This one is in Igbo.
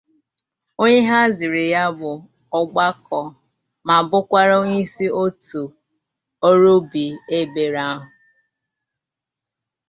onye haziri ya bụ ọgbakọ ma bụrụkwa onyeisi òtù ọrụ obi ebere ahụ